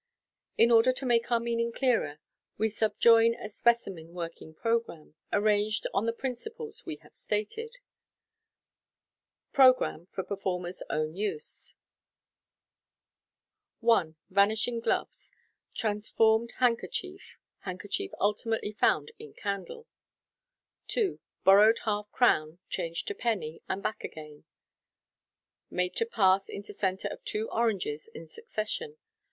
In order to make our meaning clearer, we subjoin a speci men working programme, arranged on the principles we have stated, Programmb (for performer s own use). 1. Vanishing gloves {page 325). Transformed handkerchief {page 246). Handkerchief ultimately found in candle {page 249). 2. Borrowed half crown, changed to penny, and back again {page 161) j made to pass into centre of two oranges in succession (page 170).